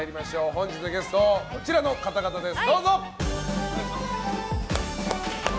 本日のゲスト、こちらの方々です。